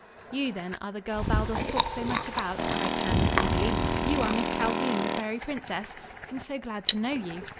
"You, then, are the girl Baldos talks so much about?" cried Candace eagerly. "You are Miss Calhoun, the fairy princess? I am so glad to know you."